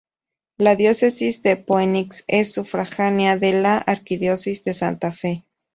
La Diócesis de Phoenix es sufragánea de la Arquidiócesis de Santa Fe.